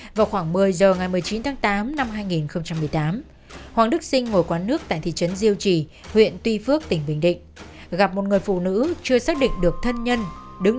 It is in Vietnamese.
ngày một mươi bảy tháng một mươi hai năm hai nghìn một mươi tám sau khi nhận thấy đã đầy đủ căn cứ chứng minh hành vi phạm tội của các đối tượng